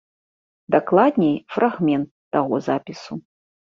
Дакладней, фрагмент таго запісу.